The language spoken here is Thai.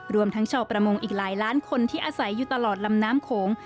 รวมทั้งชาวประมงอีกหลายล้านคนที่อาศัยอยู่ตลอดลำน้ำโขง